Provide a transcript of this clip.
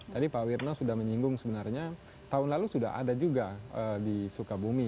tadi pak wirno sudah menyinggung sebenarnya tahun lalu sudah ada juga di sukabumi